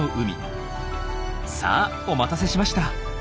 さあお待たせしました。